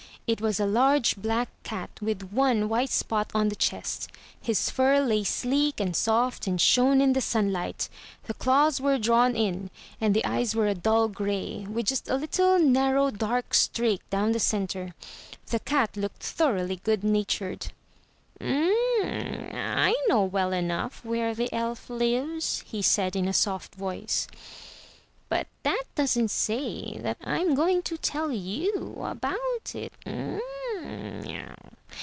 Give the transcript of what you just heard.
It was a large black cat with one white spot on the chest. His fur lay sleek and soft, and shone in the sunlight. The claws were drawn in, and the eyes were a dull gray, with just a little, narrow, dark streak down the centre. The cat looked thoroughly good natured. "I know well enough where the elf lives," he said in a soft voice, but that doesn't say that Fm going to tell you about it."